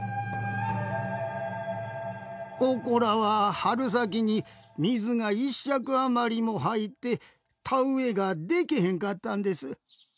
ここらは春先に水が１尺余りも入って田植えがでけへんかったんです。